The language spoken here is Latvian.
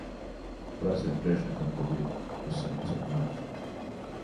Prasiet priekšniekiem, ko gribat. Jūs saņemsiet melus.